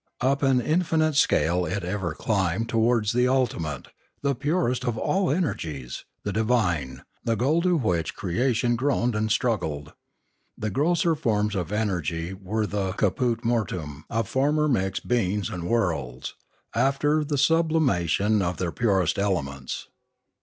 Up an infinite scale it ever climbed towards the ultimate, the purest of all energies, the divine, the goal to which creation groaned and strug gled. The grosser forms of energy were the caput mor tuum of former mixed beings and worlds, after the sublimation of their purest elements.